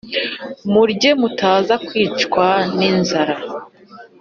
murye mutaza kwicwa n'inzara.»